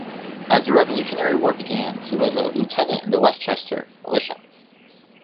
As the Revolutionary War began, he was a Lieutenant in the Westchester militia.